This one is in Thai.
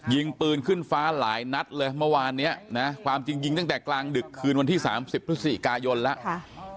ยิงปืนขึ้นฟ้าหลายนัดเลยเมื่อวานเนี้ยนะความจริงยิงตั้งแต่กลางดึกคืนวันที่๓๐พฤศจิกายนแล้ว